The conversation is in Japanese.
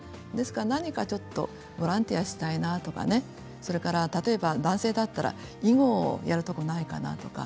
何かちょっとボランティアしたいなとか例えば、男性だったら囲碁をやるところがないかなとか。